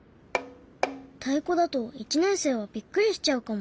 太鼓だと１年生はびっくりしちゃうかも。